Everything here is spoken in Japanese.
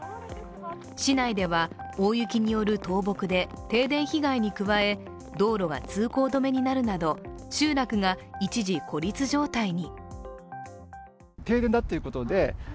市内では大雪による倒木で停電被害に加え道路が通行止めになるなど集落が一時孤立状態に。